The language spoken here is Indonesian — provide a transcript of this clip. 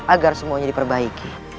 agar semuanya diperbaiki